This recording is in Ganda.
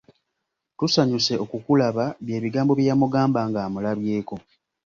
“Tusanyuse okukulaba” bye bigambo bye yamugamba nga amulabyeko.